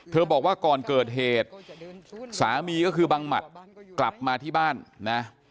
บอกว่าก่อนเกิดเหตุสามีก็คือบังหมัดกลับมาที่บ้านนะ